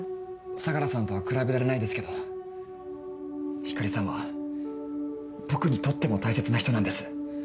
相良さんとは比べられないですけど光莉さんは僕にとっても大切な人なんです。